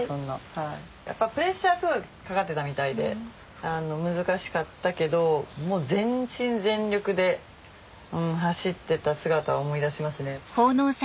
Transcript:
プレッシャーすごいかかってたみたいで難しかったけど全身全力で走ってた姿を思い出しますね。